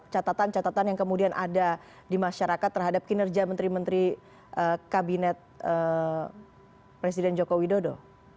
catatan catatan yang kemudian ada di masyarakat terhadap kinerja menteri menteri kabinet presiden joko widodo